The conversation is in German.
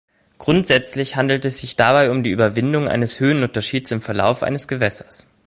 Grundsätzlich handelt es sich dabei um die Überwindung eines Höhenunterschieds im Verlauf eines Gewässers.